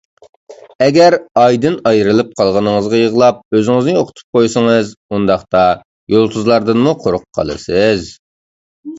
ئەگەر ئايدىن ئايرىلىپ قالغىنىڭىزغا يىغلاپ، ئۆزىڭىزنى يوقىتىپ قويسىڭىز، ئۇنداقتا يۇلتۇزلاردىنمۇ قۇرۇق قالىسىز.